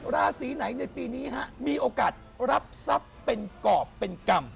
ราศีไหนในปีนี้ฮะมีโอกาสรับทรัพย์เป็นกรอบเป็นกรรม